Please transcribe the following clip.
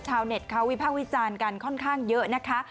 ชาวเน็ตเขาวิพากษ์วิจารณ์กันค่อนข้างเยอะนะคะ